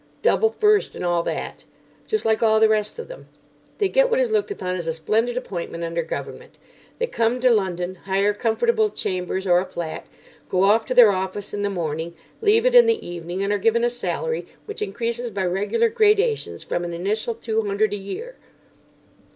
Double first and all that. Just like all the rest of them. They get what is looked upon as a splendid appointment under Government. They come to London, hire comfortable chambers or a flat, go off to their office in the morning, leave it in the evening, and are given a salary which increases by regular gradations from an initial two hundred a year.